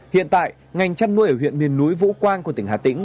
hiện tại ngành chăn nuôi ở huyện miền núi vũ quang của tỉnh hà tĩnh